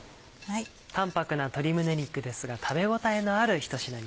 淡泊な鶏胸肉ですが食べ応えのあるひと品に。